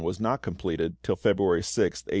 was not completed till February 6th, 1866.